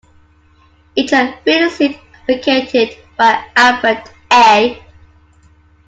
Eicher filled a seat vacated by Alfred A.